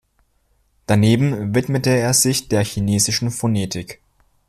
Daneben widmete er sich der chinesischen Phonetik.